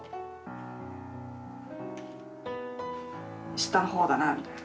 下の方だなみたいな。